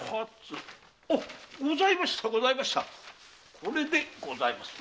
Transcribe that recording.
これでございますな。